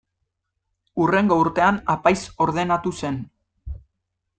Hurrengo urtean apaiz ordenatu zen.